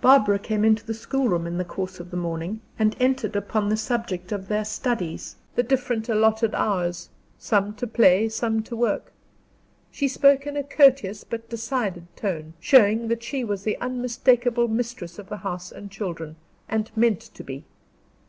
Barbara came into the schoolroom in the course of the morning, and entered upon the subject of their studies, the different allotted hours, some to play, some to work. She spoke in a courteous but decided tone, showing that she was the unmistakable mistress of the house and children, and meant to be.